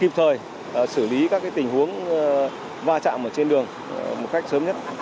kịp thời xử lý các tình huống va chạm trên đường một cách sớm nhất